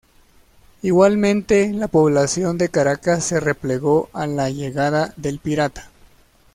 Igualmente la población de Caracas se replegó a la llegada del pirata.